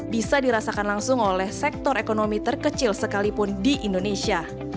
bisa dirasakan langsung oleh sektor ekonomi terkecil sekalipun di indonesia